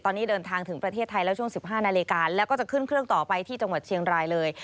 ตอนนี้เดินทางถึงประเทศไทยแล้วช่วง๑๕นาฬิกาแล้วก็จะขึ้นเครื่องต่อไปที่จังหวัดเชียงรายเลย